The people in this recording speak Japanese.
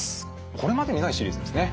これまでにないシリーズですね。